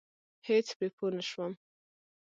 هېڅ پرې پوه نشوم.